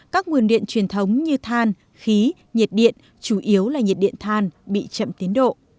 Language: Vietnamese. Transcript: các nguồn điện truyền thống như than khí nhiệt điện chủ yếu là nhiệt điện than bị chậm tiến độ